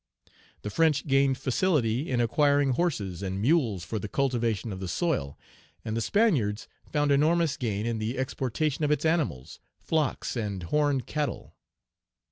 The French gained facility in acquiring horses and mules for the cultivation of the soil, and the Spaniards found enormous gain in the exportation of its animals, flocks, and horned cattle.